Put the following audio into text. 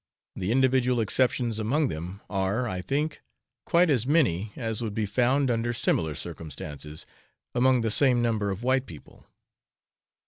The individual exceptions among them are, I think, quite as many as would be found under similar circumstances, among the same number of white people.